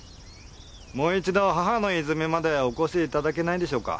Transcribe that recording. もう一度母之泉までお越し頂けないでしょうか？